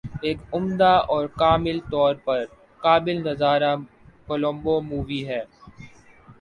ایک عمدہ اور کامل طور پر قابل نظارہ کولمبو مووی ہے